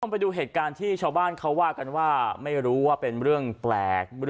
ไปดูเหตุการณ์ที่ชาวบ้านเขาว่ากันว่าไม่รู้ว่าเป็นเรื่องแปลก